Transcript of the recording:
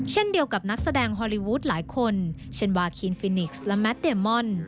เช่นเดียวกับนักแสดงฮอลลีวูดหลายคนเช่นวาคีนฟินิกซ์และแมทเดมอน